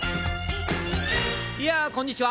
いやこんにちは。